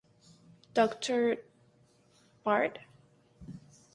Doctor Pt.